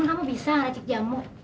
kamu bisa racik jamu